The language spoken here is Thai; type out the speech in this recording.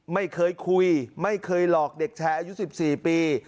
ไม่เคยคุยไม่เคยหลอกเด็กชายอายุ๑๔ปี